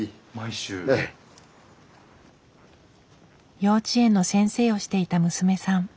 幼稚園の先生をしていた娘さん。